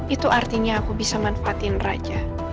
itu artinya aku bisa manfaatin raja